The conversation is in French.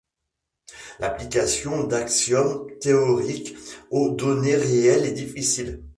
L'application d'axiomes théoriques aux données réelles est difficile.